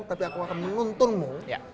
tapi aku akan menuntunmu